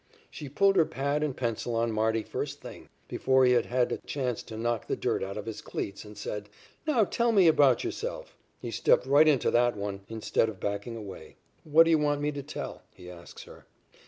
She pulled her pad and pencil on Marty first thing, before he had had a chance to knock the dirt out of his cleats, and said: "'Now tell me about yourself.' "He stepped right into that one, instead of backing away. "'What do you want me to tell?' he asks her.